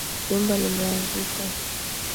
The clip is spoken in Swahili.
Jumba limeanguka